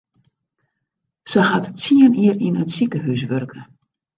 Se hat tsien jier yn it sikehús wurke.